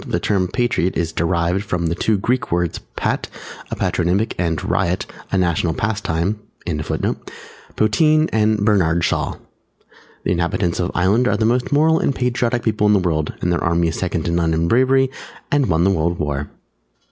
[A] The term Patriot is derived from two Greek words, Pat, a patronymic, and Riot, a national pastime. The inhabitants of Ireland are the most Moral and Patriotic people in the World, and their army is second to none in bravery and won the World War.